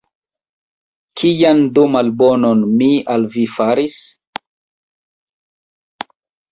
Kian do malbonon mi al vi faris?